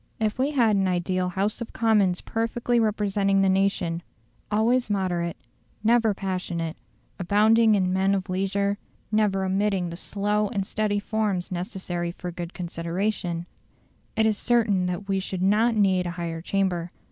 If we had an ideal House of Commons perfectly representing the nation, always moderate, never passionate, abounding in men of leisure, never omitting the slow and steady forms necessary for good consideration, it is certain that we should not need a higher chamber.